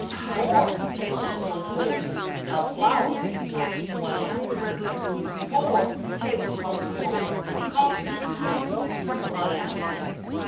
Four tablespoonfuls of flour equal 1 ounce. Four tablespoonfuls of coffee equal 1 ounce.